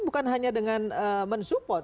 bukan hanya dengan mensupport